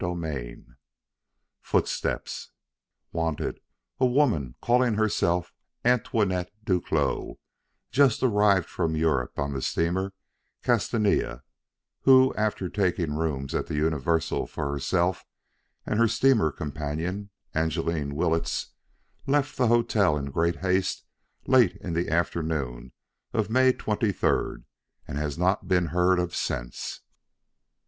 XI FOOTSTEPS WANTED A WOMAN CALLING HERSELF ANTOINETTE Duclos, just arrived from Europe on the steamer Castania, who after taking rooms at the Universal for herself and her steamer companion, Angeline Willetts, left the hotel in great haste late in the afternoon of May twenty third and has not been heard of since.